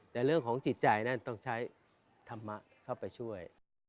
แต่เรื่องของจิตใจนั้นต้องใช้ธรรมะเข้าไปช่วย